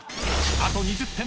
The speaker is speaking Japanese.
［あと２０点。